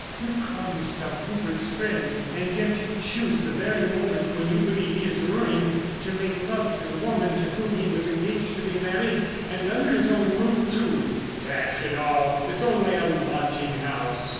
"You call yourself Rupert's friend, and yet you choose the very moment when you believe he is ruined to make love to the woman to whom he was engaged to be married, and under his own roof, too." "Dash it all, it's only a lodging house!"